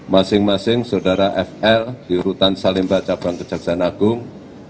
masing masing saudara fl di rutan salemba cabang kejaksaan agung